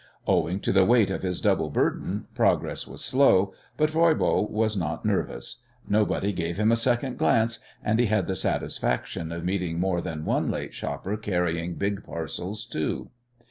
Owing to the weight of his double burden progress was slow, but Voirbo was not nervous. Nobody gave him a second glance, and he had the satisfaction of meeting more than one late shopper carrying big parcels too.